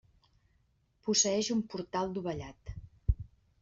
Posseeix un portal dovellat.